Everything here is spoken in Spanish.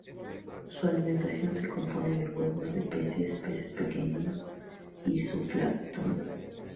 Su alimentación se compone de huevos de peces, peces pequeños y zooplancton.